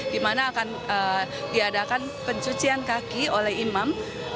di mana akan diadakan pencucian kaki oleh imam